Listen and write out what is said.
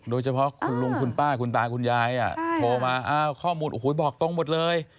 โดยเฉพาะคุณลุงคุณป้าคุณตาคุณยายโทรมาอ้าวข้อมูลโอ้โหบอกตรงหมดเลย